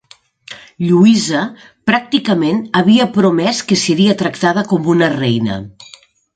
Lluïsa pràcticament havia promés que seria tractada com una reina.